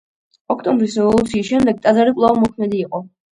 ოქტომბრის რევოლუციის შემდეგ ტაძარი კვლავ მოქმედი იყო.